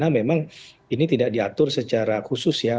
memang ini tidak diatur secara khusus ya